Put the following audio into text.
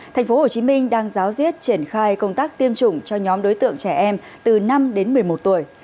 thành phố hồ chí minh đang giáo riết triển khai công tác tiêm chủng cho nhóm đối tượng trẻ em từ năm đến một mươi tuổi